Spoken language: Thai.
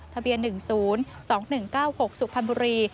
ทะเบียน๑๐๒๑๙๖สุพรรณบุรี